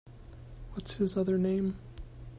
What’s his other name?